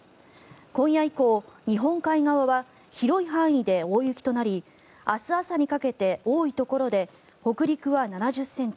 今夜以降、日本海側は広い範囲で大雪となり明日朝にかけて多いところで北陸は７０ｃｍ